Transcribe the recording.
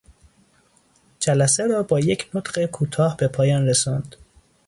جلسه را با یک نطق کوتاه به پایان رساند.